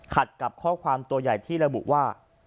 กับข้อความตัวใหญ่ที่ระบุว่า